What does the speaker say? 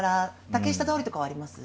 竹下通りとかはあります？